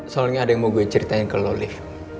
soalnya ada yang mau gue ceritain ke lo liv